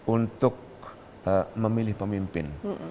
untuk memilih pemimpin